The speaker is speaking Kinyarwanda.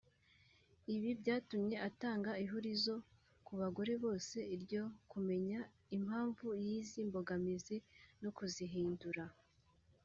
Ibi byatumye atanga ihurizo ku bagore bose ryo kumenya impamvu y’izi mbogamizi no kuzirandura